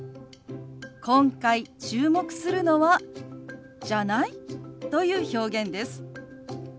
今回注目するのは「じゃない？」という表現です。